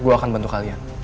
gue akan bantu kalian